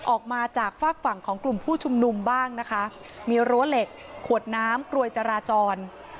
ออกมาจากฝากฝั่งของกลุ่มผู้ชุมนุมบ้างนะคะมีรั้วเหล็กขวดน้ำกลวยจราจร